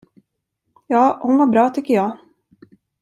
Ja, hon var bra tycker jag.